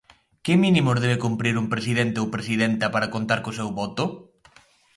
Que mínimos debe cumprir un presidente ou presidenta para contar co seu voto?